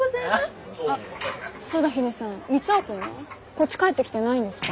こっち帰ってきてないんですか？